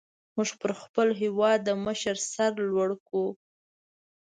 موږ پر خپل هېوادمشر سر لوړي کو.